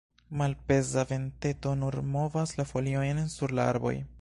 Malpeza venteto nur movas la foliojn sur la arboj.